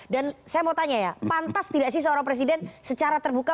saya mau tanya ya pantas tidak sih seorang presiden secara terbuka